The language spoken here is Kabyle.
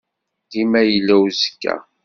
Dima yella uzekka.